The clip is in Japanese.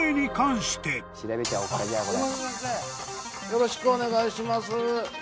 よろしくお願いします。